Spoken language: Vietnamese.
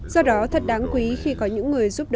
do đó thật đáng quý khi có những người